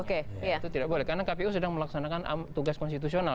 itu tidak boleh karena kpu sedang melaksanakan tugas konstitusional